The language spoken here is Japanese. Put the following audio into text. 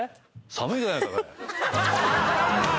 寒いじゃないか。